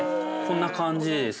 こんな感じで。